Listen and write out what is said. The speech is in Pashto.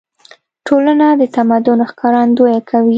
ټولنه د تمدن ښکارندويي کوي.